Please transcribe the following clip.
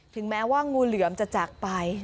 แม้ว่างูเหลือมจะจากไป